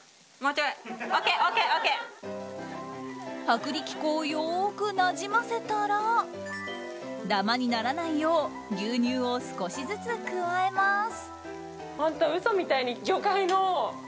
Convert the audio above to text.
薄力粉をよくなじませたらダマにならないよう牛乳を少しずつ加えます。